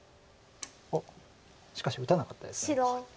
あっしかし打たなかったです。